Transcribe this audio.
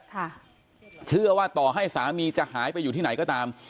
ค่ะเชื่อว่าต่อให้สามีจะหายไปอยู่ที่ไหนก็ตาม